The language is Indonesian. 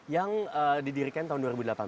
yang didirikan tahun dua ribu delapan belas